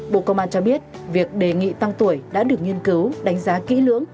bộ công an cho biết việc đề nghị tăng tuổi đã được nghiên cứu đánh giá kỹ lưỡng